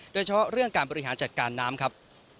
โดยเฉพาะเรื่องการบริหารจัดการน้ำครับ